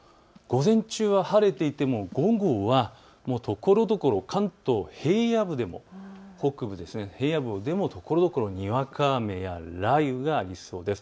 午前中は晴れていても午後はところどころ、関東平野部でもところどころにわか雨や雷雨がありそうです。